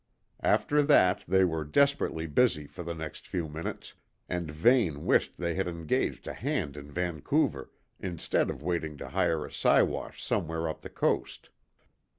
After that, they were desperately busy for the next few minutes, and Vane wished they had engaged a hand in Vancouver, instead of waiting to hire a Siwash somewhere up the coast.